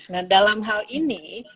nah dalam hal ini